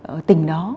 ở tỉnh đó